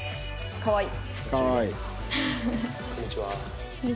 かわいい。